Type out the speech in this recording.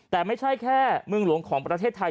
แต่ไม่ใช่แค่เมืองหลวงของประเทศไทย